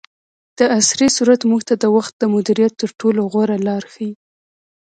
دعصري سورت موږ ته د وخت د مدیریت تر ټولو غوره لار ښیي.